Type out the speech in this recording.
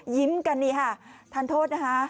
ยิ้มกันนี่ค่ะทานโทษนะคะ